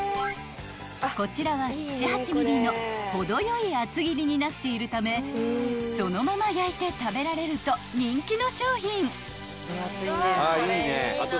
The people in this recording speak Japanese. ［こちらは７８ｍｍの程よい厚切りになっているためそのまま焼いて食べられると人気の商品］